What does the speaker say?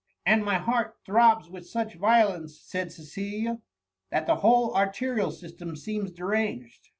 '*" And my heart throbs with such violence," said Cecilia, *^that the whole arterial system seems deranged."